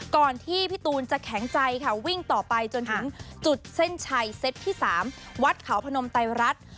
ก่อนที่พี่ตูนจะแข็งใจค่ะวิ่งต่อไปจนถึงจุดเส้นชัยเซตที่๓วัดเขาพนมไตรรัฐ